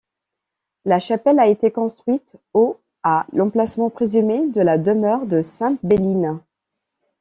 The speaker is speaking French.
La chapelle a été construite au à l'emplacement présumé de la demeure de Sainte-Béline.